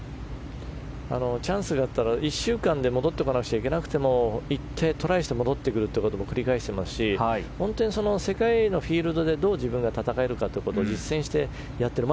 チャンスがあったら１週間で戻ってこなくちゃいけなくても行ってトライして戻ってくるということも繰り返していますし世界のフィールドでどう自分が戦えるかということを実践してやってる。